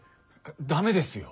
ダメですよ！